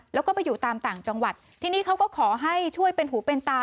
แล้วก็ไปอยู่ตามต่างจังหวัดที่นี่เขาก็ขอให้ช่วยเป็นหูเป็นตา